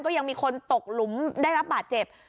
ยังมีคนตกหลุมได้รับบาดเจ็บ